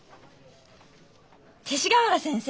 勅使河原先生。